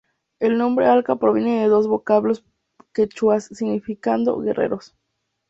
El nombre Alca proviene de dos vocablos quechuas, significando "guerreros".